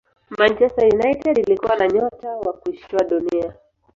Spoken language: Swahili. manchester united ilikuwa na nyota wa kushtua dunia